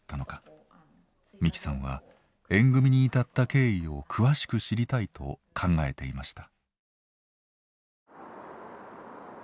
美希さんは縁組に至った経緯を詳しく知りたいと考えていました。